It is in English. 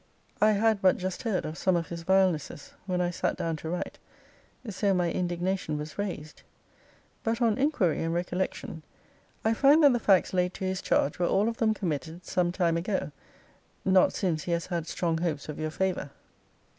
I had but just heard of some of his vilenesses, when I sat down to write; so my indignation was raised. But on inquiry, and recollection, I find that the facts laid to his charge were all of them committed some time ago not since he has had strong hopes of your favour.